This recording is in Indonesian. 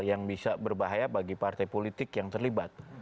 yang bisa berbahaya bagi partai politik yang terlibat